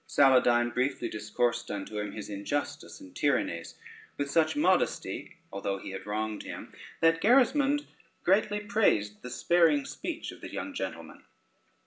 Saladyne briefly discoursed unto him his injustice and tyrannies, with such modesty, although he had wronged him, that Gerismond greatly praised the sparing speech of the young gentleman.